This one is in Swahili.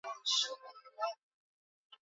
Wimbo wake kwangu usiku.